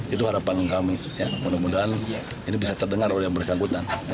itu harapan kami mudah mudahan ini bisa terdengar oleh yang bersangkutan